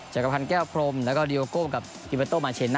จักรพันธ์แก้พรมแล้วก็เดีโอโกงกับฮิปเบิตโต